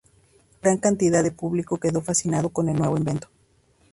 Gran cantidad de público quedó fascinado con el nuevo invento.